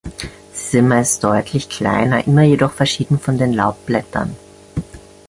Sie sind meist deutlich kleiner, immer jedoch verschieden von den Laubblättern.